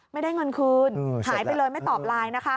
ไม่ได้เงินคืนหายไปเลยไม่ตอบไลน์นะคะ